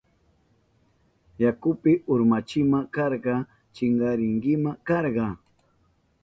Yakupi urmankima karka, chinkarinkima karka.